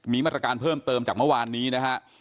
มีมาตรการเพิ่มเติมจากเมื่อวานนี้นะฮะ